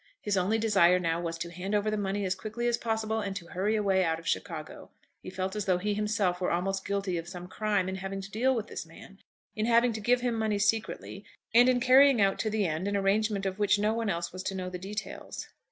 His only desire now was to hand over the money as quickly as possible, and to hurry away out of Chicago. He felt as though he himself were almost guilty of some crime in having to deal with this man, in having to give him money secretly, and in carrying out to the end an arrangement of which no one else was to know the details.